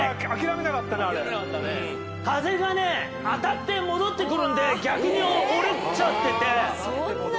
風がね、当たって戻ってくるんで、逆にこっち当たってて。